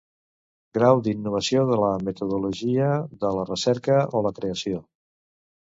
Grau d'innovació de la metodologia de la recerca o la creació.